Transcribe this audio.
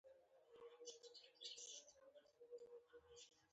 د دوی تر واک لاندې د سوداګرۍ برجونو.